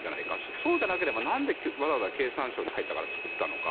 そうじゃなければなんでわざわざ経産省に入ってから作ったのか。